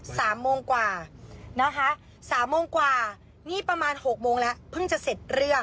สามโมงกว่านะคะสามโมงกว่านี่ประมาณหกโมงแล้วเพิ่งจะเสร็จเรื่อง